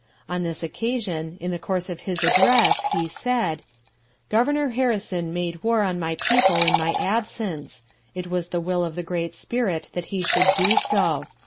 On this occasion, in the course of his address, he said: Governor Harrison made war on my people in my absence; it was the will of the Great Spirit that he should do so.